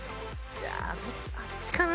あっちかな。